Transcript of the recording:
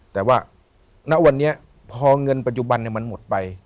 แต่ว่าณวันนี้พอเงินปัจจุบันมันหมดไป